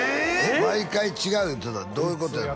毎回違う言ってたどういうことやの？